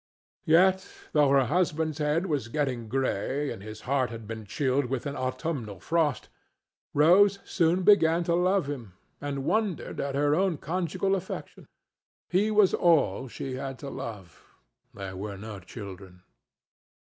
Yet, though her husband's head was getting gray and his heart had been chilled with an autumnal frost, Rose soon began to love him, and wondered at her own conjugal affection. He was all she had to love; there were no children.